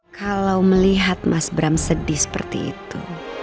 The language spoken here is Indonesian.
kalau melihat mas bram sedih seperti itu